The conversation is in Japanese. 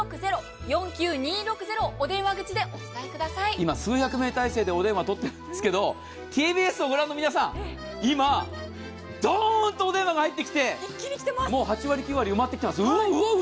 今、数百名態勢でお電話をとっていますけれども、ＴＢＳを御覧の皆さん、今、どーんとお電話が入ってきて、もう８割、９割埋まってきています